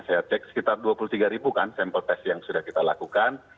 saya cek sekitar dua puluh tiga ribu kan sampel test yang sudah kita lakukan